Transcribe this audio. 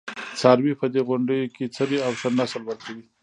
څاروي په دې غونډیو کې څري او ښه نسل ورکوي.